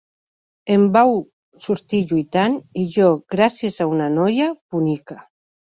En vau sortir lluitant, i jo gràcies a una noia bonica.